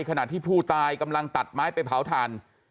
ขณะที่ผู้ตายกำลังตัดไม้ไปเผาถ่าน